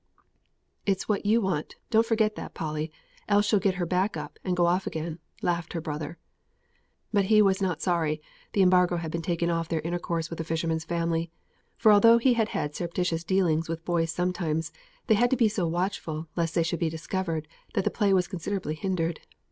"It's what you want; don't forget that, Polly, else she'll get her back up, and go off again," laughed her brother; but he was not sorry the embargo had been taken off their intercourse with the fisherman's family; for although he had had surreptitious dealings with boys sometimes, they had to be so watchful lest they should be discovered that the play was considerably hindered.